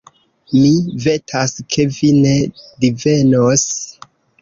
Mi vetas, ke vi ne divenos.